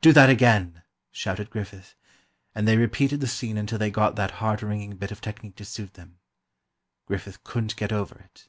"Do that again!" shouted Griffith, and they repeated the scene until they got that heart wringing bit of technique to suit them. Griffith couldn't get over it.